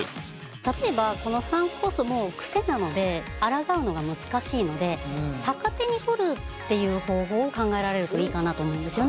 例えばこのサンクコストも癖なのであらがうのが難しいので逆手に取るっていう方法を考えられるといいかなと思うんですよね。